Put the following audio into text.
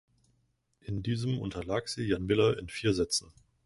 In diesem unterlag sie Jan Miller in vier Sätzen.